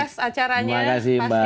terima kasih mbak